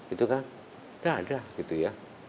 itu kan sudah ada